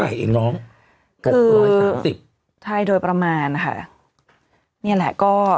เท่าไหร่เองน้องคือร้อยสามสิบใช่โดยประมาณค่ะเนี่ยแหละก็